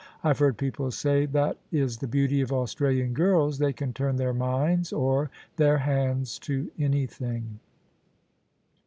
I've heard people say that is the beauty of Australian girls, they can turn their minds or their hands to anything.'